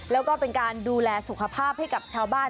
แล้วก็เป็นการดูแลสุขภาพให้กับชาวบ้าน